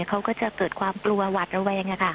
เขาก็จะเกิดความกลัวหวัดระแวง